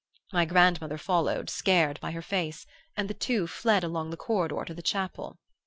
My grandmother followed, scared by her face, and the two fled along the corridor to the chapel.